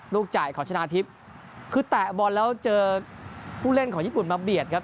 จ่ายของชนะทิพย์คือแตะบอลแล้วเจอผู้เล่นของญี่ปุ่นมาเบียดครับ